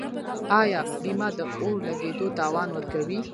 آیا بیمه د اور لګیدو تاوان ورکوي؟